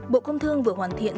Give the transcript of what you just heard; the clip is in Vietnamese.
bộ công thương vừa hoàn thiện